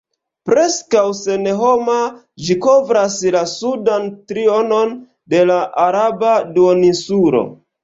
Preskaŭ senhoma, ĝi kovras la sudan trionon de la Araba duoninsulo.